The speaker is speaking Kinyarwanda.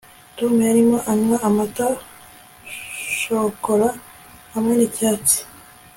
tom yarimo anywa amata ya shokora hamwe nicyatsi